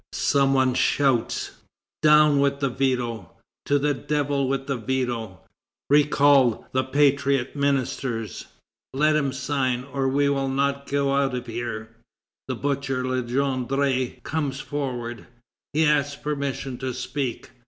Some one shouts: "Down with the veto! To the devil with the veto! Recall the patriot ministers! Let him sign, or we will not go out of here!" The butcher Legendre comes forward. He asks permission to speak.